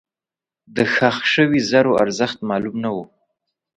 دښخ شوي زرو ارزښت معلوم نه و.